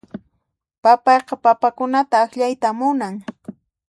Papayqa papakunata akllayta munan.